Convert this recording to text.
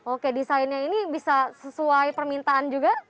oke desainnya ini bisa sesuai permintaan juga